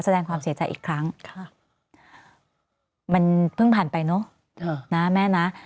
แสดงความเสียใจอีกครั้งมันเพิ่งผ่านไปเนอะนะแม่นะ